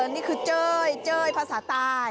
นี่คือเจ้ยเจ้ยภาษาใต้